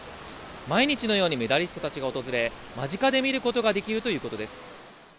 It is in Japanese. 毎日のようにメダリストたちが訪れ、間近で見ることができるということです。